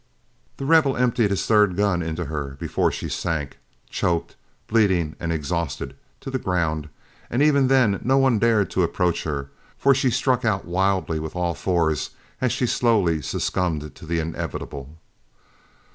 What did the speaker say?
The Rebel emptied his third gun into her before she sank, choked, bleeding, and exhausted, to the ground; and even then no one dared to approach her, for she struck out wildly with all fours as she slowly succumbed to the inevitable.